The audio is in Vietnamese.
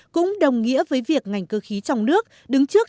cũng đồng nghĩa với việc ngành cơ khí trong nước đứng trước